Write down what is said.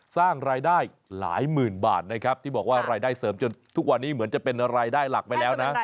สร้างรายได้หลายหมื่นบาทนะครับที่บอกว่ารายได้เสริมจนทุกวันนี้เหมือนจะเป็นรายได้หลักไปแล้วนะ